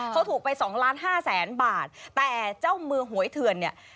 เขาถูกไป๒๕๐๐๐๐๐บาทแต่เจ้ามือหวยเถื่อนเนี่ย